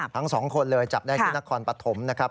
ทั้งสองคนเลยจับได้ที่นครปฐมนะครับ